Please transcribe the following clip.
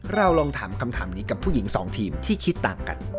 เราลองถามคำถามนี้กับผู้หญิงสองทีมที่คิดต่างกัน